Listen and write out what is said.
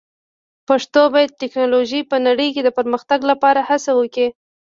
پښتو باید د ټکنالوژۍ په نړۍ کې د پرمختګ لپاره هڅه وکړي.